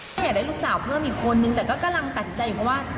ก็อยากได้ลูกสาวเพิ่มอีกคนนึงแต่ก็กำลังตัดสินใจอยู่เพราะว่า